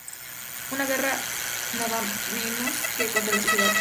una guerra nada menos que contra la sociedad.